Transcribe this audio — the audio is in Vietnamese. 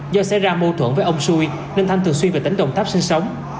do xảy ra mâu thuẫn với ông sui nên thanh thường xuyên về tỉnh đồng tháp sinh sống